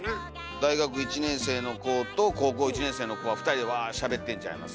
大学１年生の子と高校１年生の子が２人でワーッしゃべってんちゃいます？